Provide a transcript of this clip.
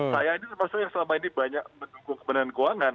saya ini maksudnya selama ini banyak mendukung kemenangan keuangan